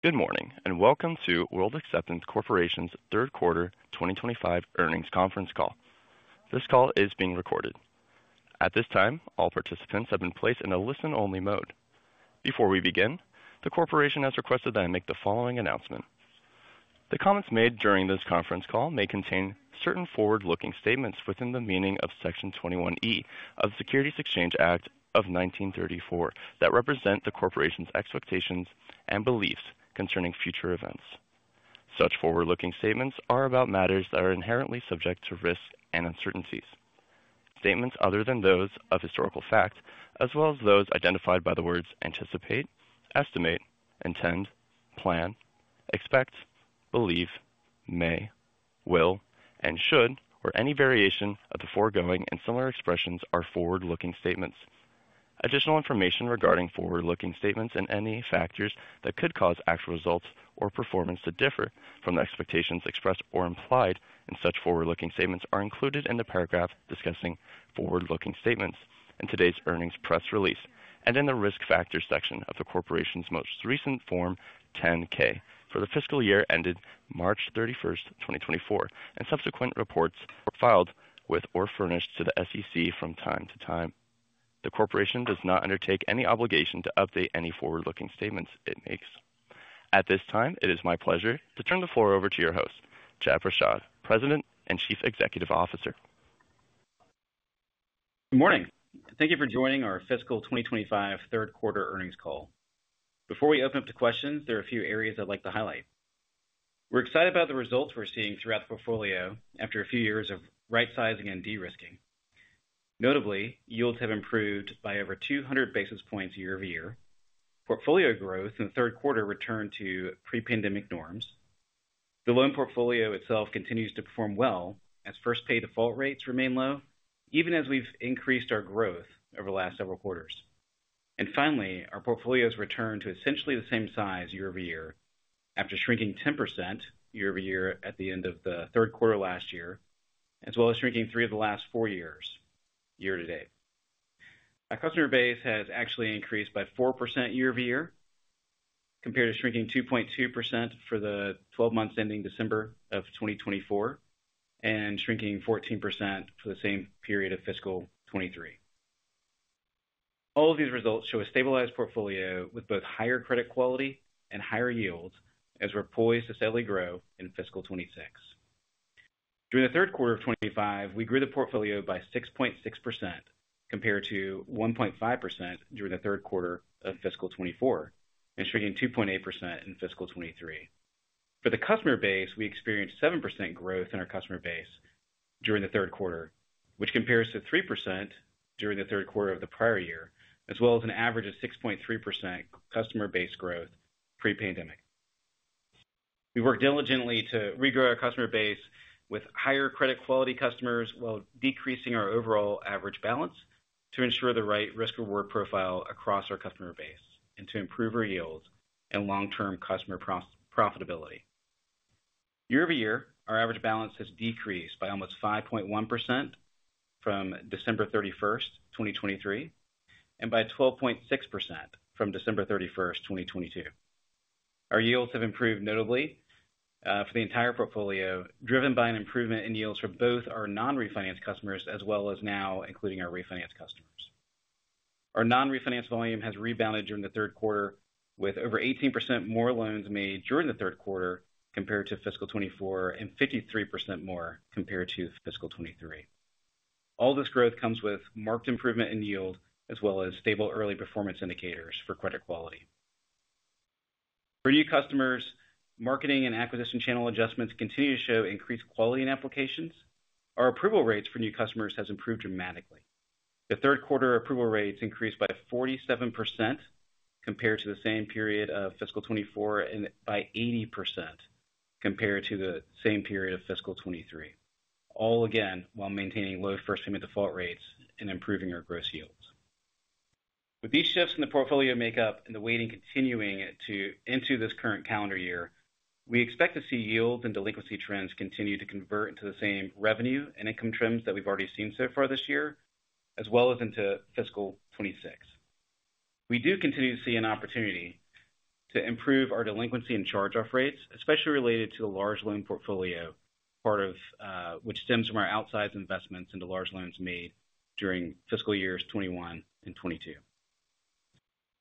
Good morning and welcome to World Acceptance Corporation's Third Quarter 2025 earnings conference call. This call is being recorded. At this time, all participants have been placed in a listen-only mode. Before we begin, the corporation has requested that I make the following announcement. The comments made during this conference call may contain certain forward-looking statements within the meaning of Section 21E of the Securities Exchange Act of 1934 that represent the corporation's expectations and beliefs concerning future events. Such forward-looking statements are about matters that are inherently subject to risk and uncertainties. Statements other than those of historical fact, as well as those identified by the words anticipate, estimate, intend, plan, expect, believe, may, will, and should, or any variation of the foregoing and similar expressions, are forward-looking statements. Additional information regarding forward-looking statements and any factors that could cause actual results or performance to differ from the expectations expressed or implied in such forward-looking statements are included in the paragraph discussing forward-looking statements in today's earnings press release and in the risk factors section of the corporation's most recent Form 10-K for the fiscal year ended March 31st, 2024, and subsequent reports filed with or furnished to the SEC from time to time. The corporation does not undertake any obligation to update any forward-looking statements it makes. At this time, it is my pleasure to turn the floor over to your host, Chad Prashad, President and Chief Executive Officer. Good morning. Thank you for joining our Fiscal 2025 third quarter earnings call. Before we open up to questions, there are a few areas I'd like to highlight. We're excited about the results we're seeing throughout the portfolio after a few years of right-sizing and de-risking. Notably, yields have improved by over 200 basis points year over year. Portfolio growth in the third quarter returned to pre-pandemic norms. The loan portfolio itself continues to perform well as first-pay default rates remain low, even as we've increased our growth over the last several quarters. And finally, our portfolio has returned to essentially the same size year over year after shrinking 10% year over year at the end of the third quarter last year, as well as shrinking three of the last four years year to date. Our customer base has actually increased by 4% year over year compared to shrinking 2.2% for the 12 months ending December of 2024 and shrinking 14% for the same period of fiscal 2023. All of these results show a stabilized portfolio with both higher credit quality and higher yields as we're poised to steadily grow in fiscal 2026. During the third quarter of 2025, we grew the portfolio by 6.6% compared to 1.5% during the third quarter of fiscal 2024, and shrinking 2.8% in fiscal 2023. For the customer base, we experienced 7% growth in our customer base during the third quarter, which compares to 3% during the third quarter of the prior year, as well as an average of 6.3% customer base growth pre-pandemic. We work diligently to regrow our customer base with higher credit quality customers while decreasing our overall average balance to ensure the right risk-reward profile across our customer base and to improve our yields and long-term customer profitability. Year over year, our average balance has decreased by almost 5.1% from December 31st, 2023, and by 12.6% from December 31st, 2022. Our yields have improved notably for the entire portfolio, driven by an improvement in yields for both our non-refinanced customers as well as now including our refinanced customers. Our non-refinanced volume has rebounded during the third quarter with over 18% more loans made during the third quarter compared to fiscal 2024 and 53% more compared to fiscal 2023. All this growth comes with marked improvement in yield as well as stable early performance indicators for credit quality. For new customers, marketing and acquisition channel adjustments continue to show increased quality in applications. Our approval rates for new customers have improved dramatically. The third quarter approval rates increased by 47% compared to the same period of fiscal 2024 and by 80% compared to the same period of fiscal 2023, all again while maintaining low first-payment default rates and improving our gross yields. With these shifts in the portfolio makeup and the weighting continuing into this current calendar year, we expect to see yields and delinquency trends continue to convert into the same revenue and income trends that we've already seen so far this year, as well as into fiscal 2026. We do continue to see an opportunity to improve our delinquency and charge-off rates, especially related to the large loan portfolio, part of which stems from our outsized investments into large loans made during fiscal years 2021 and 2022.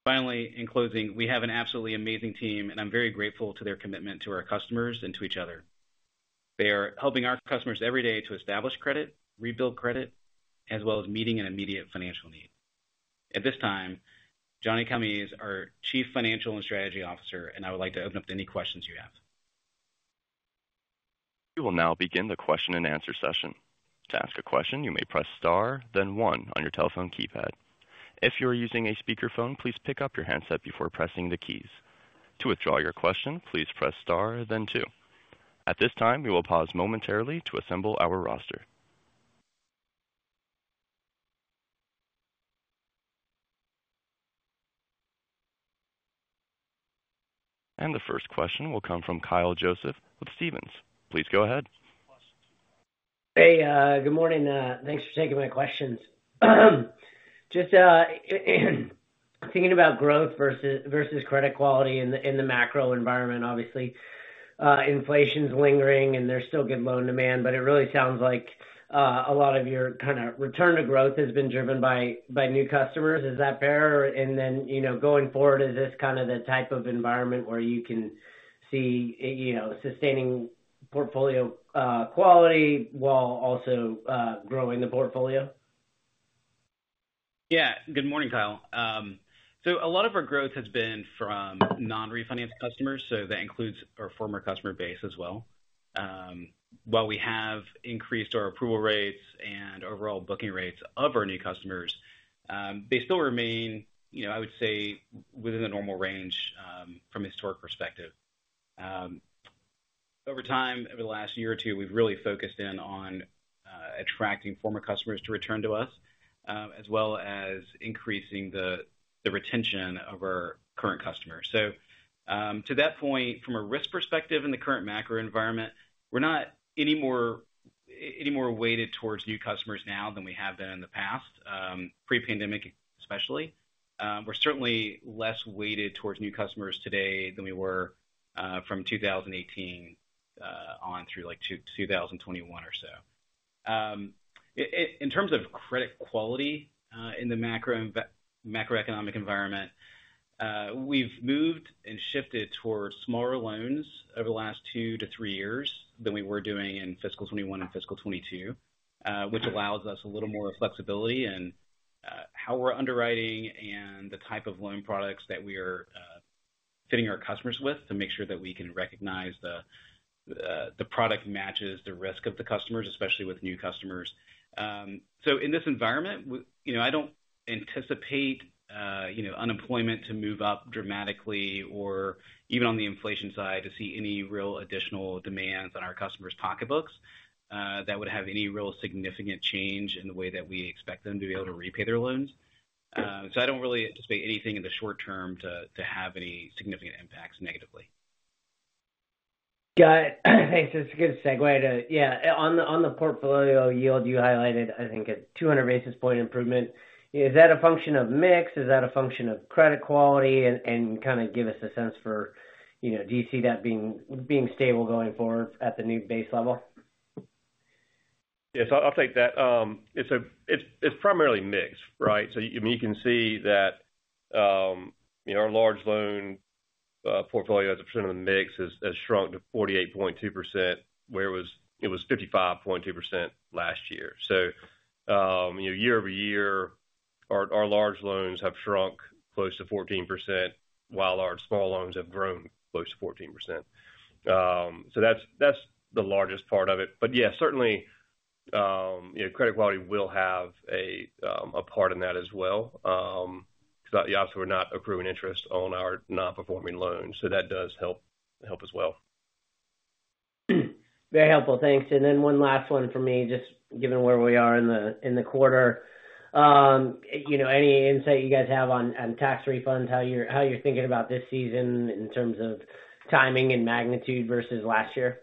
Finally, in closing, we have an absolutely amazing team, and I'm very grateful to their commitment to our customers and to each other. They are helping our customers every day to establish credit, rebuild credit, as well as meeting an immediate financial need. At this time, John Calmes is our Chief Financial and Strategy Officer, and I would like to open up to any questions you have. We will now begin the question and answer session. To ask a question, you may press star, then one on your telephone keypad. If you are using a speakerphone, please pick up your handset before pressing the keys. To withdraw your question, please press star, then two. At this time, we will pause momentarily to assemble our roster, and the first question will come from Kyle Joseph with Stephens. Please go ahead. Hey, good morning. Thanks for taking my questions. Just thinking about growth versus credit quality in the macro environment, obviously, inflation's lingering and there's still good loan demand, but it really sounds like a lot of your kind of return to growth has been driven by new customers. Is that fair? And then going forward, is this kind of the type of environment where you can see sustaining portfolio quality while also growing the portfolio? Yeah. Good morning, Kyle. So a lot of our growth has been from non-refinanced customers, so that includes our former customer base as well. While we have increased our approval rates and overall booking rates of our new customers, they still remain, I would say, within the normal range from a historic perspective. Over time, over the last year or two, we've really focused in on attracting former customers to return to us, as well as increasing the retention of our current customers. So to that point, from a risk perspective in the current macro environment, we're not any more weighted towards new customers now than we have been in the past, pre-pandemic especially. We're certainly less weighted towards new customers today than we were from 2018 on through 2021 or so. In terms of credit quality in the macroeconomic environment, we've moved and shifted towards smaller loans over the last two to three years than we were doing in fiscal 2021 and fiscal 2022, which allows us a little more flexibility in how we're underwriting and the type of loan products that we are fitting our customers with to make sure that we can recognize the product matches the risk of the customers, especially with new customers. So in this environment, I don't anticipate unemployment to move up dramatically or even on the inflation side to see any real additional demands on our customers' pocketbooks that would have any real significant change in the way that we expect them to be able to repay their loans. So I don't really anticipate anything in the short term to have any significant impacts negatively. Got it. Thanks. That's a good segue to, yeah, on the portfolio yield you highlighted, I think a 200 basis points improvement. Is that a function of mix? Is that a function of credit quality? And kind of give us a sense for, do you see that being stable going forward at the new base level? Yes, I'll take that. It's primarily mix, right? So you can see that our large loan portfolio as a percent of the mix has shrunk to 48.2%, where it was 55.2% last year. So year over year, our large loans have shrunk close to 14%, while our small loans have grown close to 14%. So that's the largest part of it. But yeah, certainly credit quality will have a part in that as well because obviously we're not accruing interest on our non-performing loans. So that does help as well. Very helpful. Thanks. And then one last one for me, just given where we are in the quarter. Any insight you guys have on tax refunds, how you're thinking about this season in terms of timing and magnitude versus last year?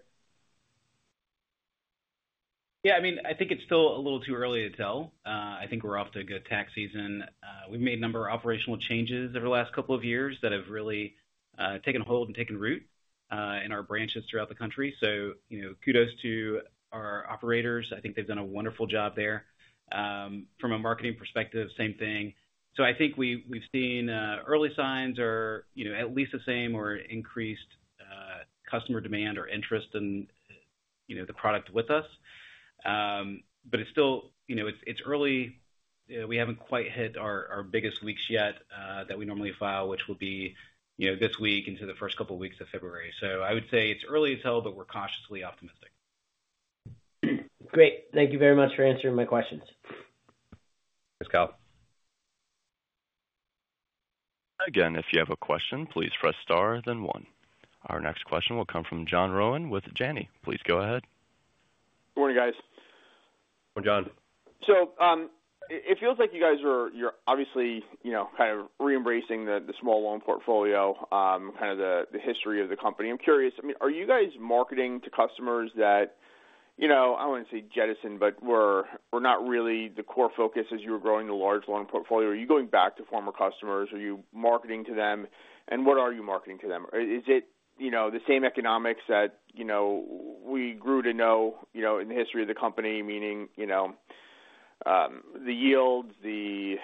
Yeah. I mean, I think it's still a little too early to tell. I think we're off to a good tax season. We've made a number of operational changes over the last couple of years that have really taken hold and taken root in our branches throughout the country. So kudos to our operators. I think they've done a wonderful job there. From a marketing perspective, same thing. So I think we've seen early signs are at least the same or increased customer demand or interest in the product with us. But it's still, it's early. We haven't quite hit our biggest weeks yet that we normally file, which will be this week into the first couple of weeks of February. So I would say it's early to tell, but we're cautiously optimistic. Great. Thank you very much for answering my questions. Thanks, Kyle. Again, if you have a question, please press star, then one. Our next question will come from John Rowan with Janney. Please go ahead. Good morning, guys. Morning, John. So it feels like you guys are obviously kind of re-embracing the small loan portfolio, kind of the history of the company. I'm curious, I mean, are you guys marketing to customers that, I don't want to say jettison, but were not really the core focus as you were growing the large loan portfolio? Are you going back to former customers? Are you marketing to them? And what are you marketing to them? Is it the same economics that we grew to know in the history of the company, meaning the yields, the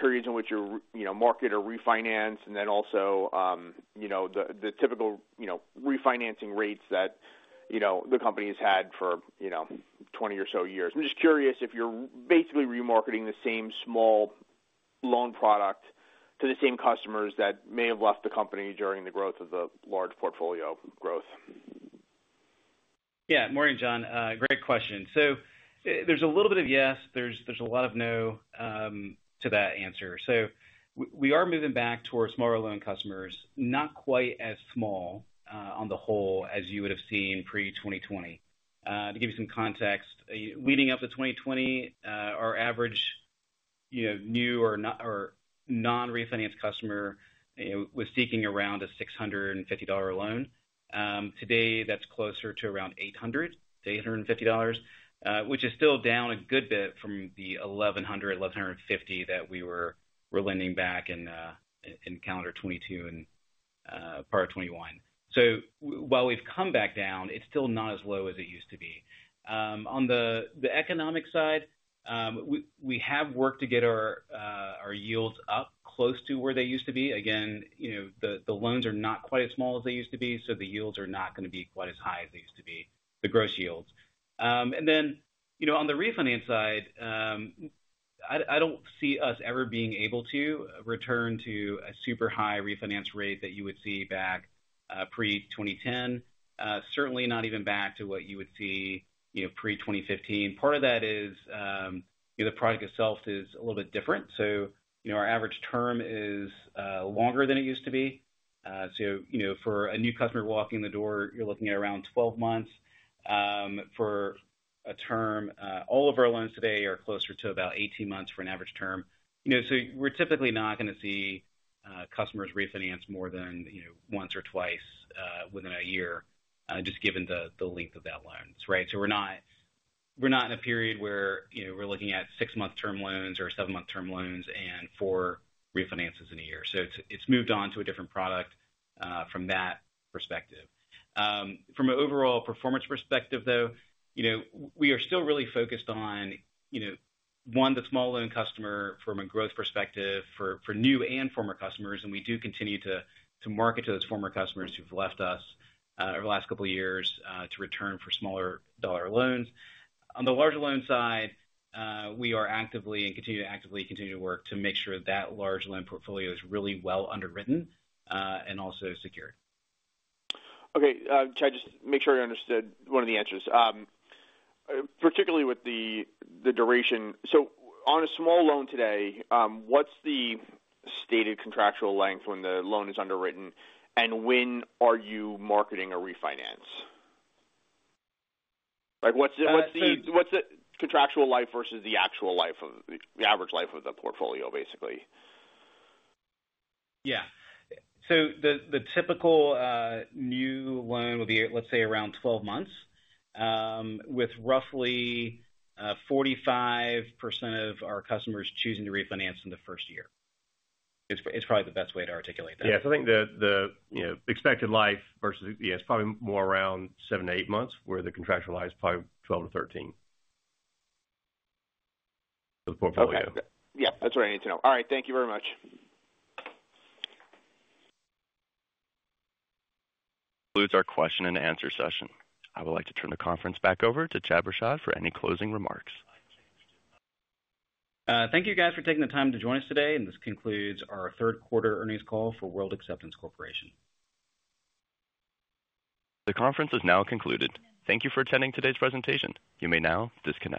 periods in which you market or refinance, and then also the typical refinancing rates that the company has had for 20 or so years? I'm just curious if you're basically remarketing the same small loan product to the same customers that may have left the company during the growth of the large portfolio growth. Yeah. Morning, John. Great question. So there's a little bit of yes. There's a lot of no to that answer. So we are moving back towards smaller loan customers, not quite as small on the whole as you would have seen pre-2020. To give you some context, leading up to 2020, our average new or non-refinanced customer was seeking around a $650 loan. Today, that's closer to around $800-$850, which is still down a good bit from the $1,100-$1,150 that we were lending back in calendar 2022 and part of 2021. So while we've come back down, it's still not as low as it used to be. On the economic side, we have worked to get our yields up close to where they used to be. Again, the loans are not quite as small as they used to be, so the yields are not going to be quite as high as they used to be, the gross yields. And then on the refinance side, I don't see us ever being able to return to a super high refinance rate that you would see back pre-2010, certainly not even back to what you would see pre-2015. Part of that is the product itself is a little bit different. So our average term is longer than it used to be. So for a new customer walking in the door, you're looking at around 12 months. For a term, all of our loans today are closer to about 18 months for an average term. So we're typically not going to see customers refinance more than once or twice within a year, just given the length of that loan, right? So we're not in a period where we're looking at six-month term loans or seven-month term loans and four refinances in a year. So it's moved on to a different product from that perspective. From an overall performance perspective, though, we are still really focused on, one, the small loan customer from a growth perspective for new and former customers. And we do continue to market to those former customers who've left us over the last couple of years to return for smaller dollar loans. On the larger loan side, we are actively continuing to work to make sure that large loan portfolio is really well underwritten and also secured. Okay. Chad, just make sure I understood one of the answers, particularly with the duration. So on a small loan today, what's the stated contractual length when the loan is underwritten, and when are you marketing a refinance? What's the contractual life versus the actual life, the average life of the portfolio, basically? Yeah. So the typical new loan will be, let's say, around 12 months, with roughly 45% of our customers choosing to refinance in the first year. It's probably the best way to articulate that. Yeah. So I think the expected life versus, yeah, it's probably more around seven to eight months where the contractual life is probably 12 to 13 for the portfolio. Okay. Yeah. That's what I need to know. All right. Thank you very much. Concludes our question and answer session. I would like to turn the conference back over to Chad Prashad for any closing remarks. Thank you, guys, for taking the time to join us today. And this concludes our third quarter earnings call for World Acceptance Corporation. The conference is now concluded. Thank you for attending today's presentation. You may now disconnect.